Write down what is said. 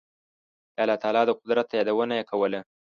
د الله تعالی د قدرت یادونه یې کوله.